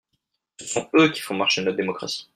Ce sont eux qui font marcher notre démocratie